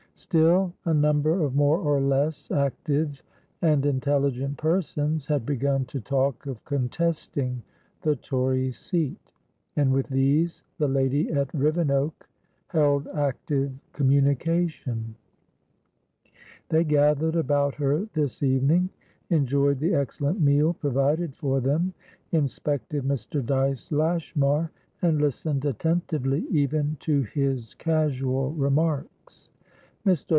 Still, a number of more or less active and intelligent persons had begun to talk of contesting the Tory seat, and with these the lady at Rivenoak held active communication. They gathered about her this evening; enjoyed the excellent meal provided for them; inspected Mr. Dyce Lashmar, and listened attentively even to his casual remarks. Mr.